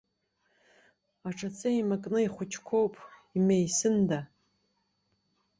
Аҿаҵа еимакны, ихәыҷқәоуп, имеисында.